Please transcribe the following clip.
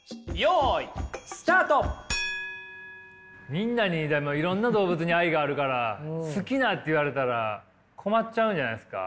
みんなにでもいろんな動物に愛があるから好きなって言われたら困っちゃうんじゃないですか？